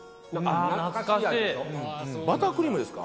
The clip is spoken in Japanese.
バタークリームですか？